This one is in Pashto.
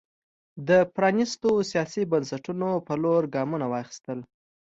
د پرانېستو سیاسي بنسټونو پر لور ګامونه واخیستل.